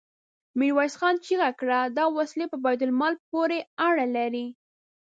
ميرويس خان چيغه کړه! دا وسلې په بيت المال پورې اړه لري.